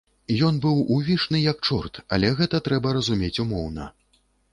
Ён быў увішны, як чорт, але гэта трэба разумець умоўна.